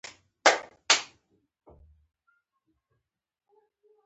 د غوښې دودیز خوند په لمر کې وچه شوې غوښه لري.